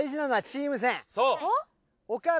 そう。